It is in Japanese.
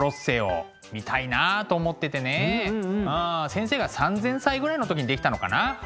先生が３，０００歳ぐらいの時に出来たのかな。